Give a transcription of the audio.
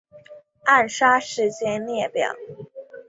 暗杀事件列表